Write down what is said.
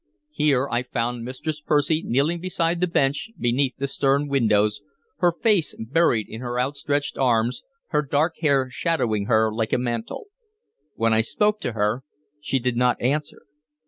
Here I found Mistress Percy kneeling beside the bench beneath the stern windows, her face buried in her outstretched arms, her dark hair shadowing her like a mantle. When I spoke to her she did not answer.